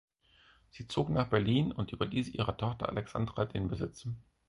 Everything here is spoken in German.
Sie zog nach Berlin und überließ ihrer Tochter Alexandra den Besitz.